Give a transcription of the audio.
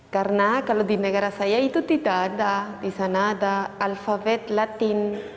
karena kalau di negara saya itu tidak ada di sana ada alfabet latin